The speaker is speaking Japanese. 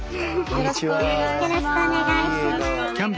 よろしくお願いします。